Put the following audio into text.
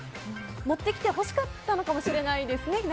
持ってきてほしかったのかもしれないですね。